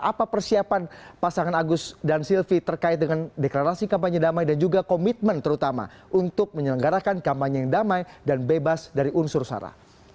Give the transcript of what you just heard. apa persiapan pasangan agus dan silvi terkait dengan deklarasi kampanye damai dan juga komitmen terutama untuk menyelenggarakan kampanye yang damai dan bebas dari unsur sara